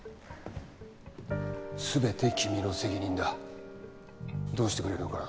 全て君の責任だどうしてくれるのかな。